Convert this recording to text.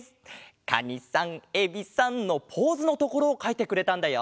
「カニさんエビさん」のポーズのところをかいてくれたんだよ。